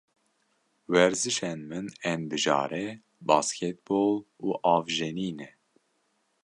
Werzişên min ên bijare basketbol û avjenî ne.